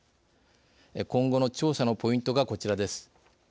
今後の調査のポイントがこちらです。